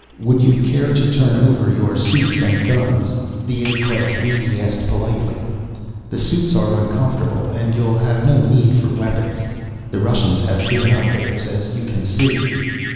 "Would you care to turn over your suits and guns?" the A class leady asked politely. "The suits are uncomfortable and you'll have no need for weapons. The Russians have given up theirs, as you can see."